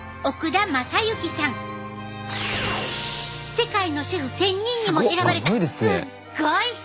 世界のシェフ１，０００人にも選ばれたすっごい人なんやで！